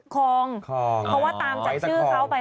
คลองเพราะว่าตามจากชื่อเขาไป